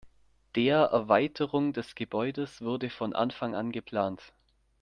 Der Erweiterung des Gebäudes wurde von Anfang an geplant.